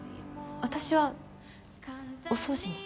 私はお掃除に。